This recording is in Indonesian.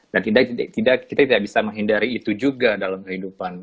dan kita tidak bisa menghindari itu juga dalam kehidupan